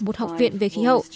một học viện về khí hậu